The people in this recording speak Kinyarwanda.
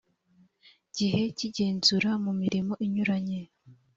gihe cy igenzura mu mirimo inyuranye